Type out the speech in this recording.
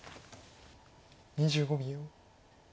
２５秒。